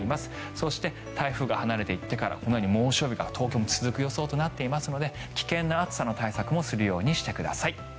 そして、台風が離れていってから猛暑日が東京も続く予想となっていますので危険な暑さの対策もするようにしてください。